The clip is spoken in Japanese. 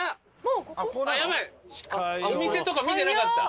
お店とか見てなかった。